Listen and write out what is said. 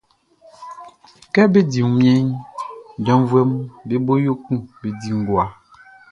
Kɛ bé dí wunmiɛnʼn, janvuɛʼm be bo yo kun be di ngowa.